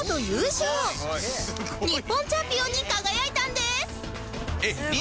日本チャンピオンに輝いたんです